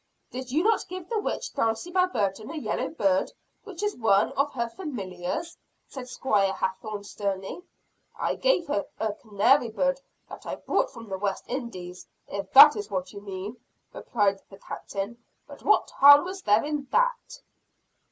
"Did you not give the witch, Dulcibel Burton, a yellow bird, which is one of her familiars?" said Squire Hathorne sternly. "I gave her a canary bird that I brought from the West Indies, if that is what you mean," replied the Captain. "But what harm was there in that?"